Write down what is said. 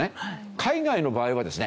海外の場合はですね